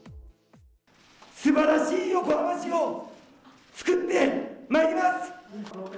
すばらしい横浜市をつくってまいります。